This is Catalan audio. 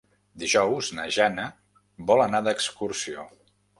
Dijous na Jana vol anar d'excursió.